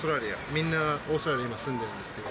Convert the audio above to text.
みんな、オーストラリアに今住んでるんですけど。